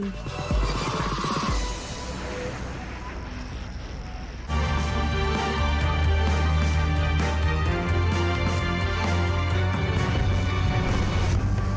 สวัสดีครับ